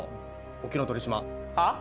沖ノ鳥島はっ？